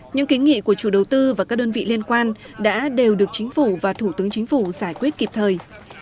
những kiến nghị của chủ đầu tư và các đơn vị liên quan đã đều được chính phủ và thủ tướng chính phủ giải quyết kịp thời